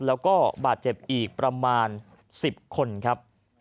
แล้วก็บาดเจ็บอีกประมาณ๑๐คนครับ